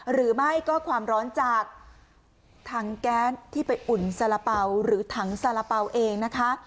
หรือไม่ก็ความร้อนจากถังแก๊สที่ไปอุ่นสาระเป๋าหรือถังสาระเป๋าเองนะคะ